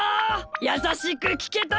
やさしくきけた？